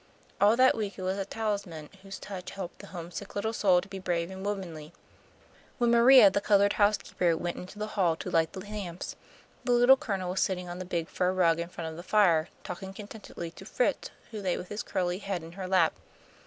All that week it was a talisman whose touch helped the homesick little soul to be brave and womanly. When Maria, the coloured housekeeper, went into the hall to light the lamps, the Little Colonel was sitting on the big fur rug in front of the fire, talking contentedly to Fritz, who lay with his curly head in her lap.